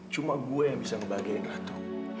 cuma gue yang bisa membahagiain ratu